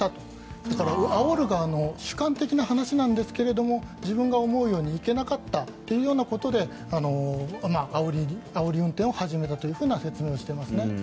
それからあおる側の主観的な話なんですが自分が思うように行けなかったということであおり運転を始めたというふうな説明をしていますね。